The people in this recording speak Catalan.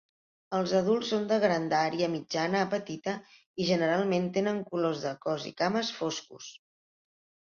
Els adults són de grandària mitjana a petita i generalment tenen colors de cos i cames foscos.